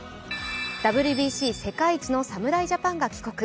ＷＢＣ世界一の侍ジャパンが帰国。